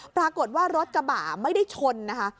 ปรากฏว่ารถกระบะไม่ได้ชนนะคะ